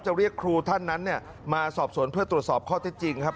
เรียกครูท่านนั้นเนี่ยมาสอบสวนเพื่อตรวจสอบข้อเท็จจริงครับ